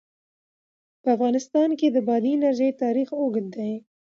په افغانستان کې د بادي انرژي تاریخ اوږد دی.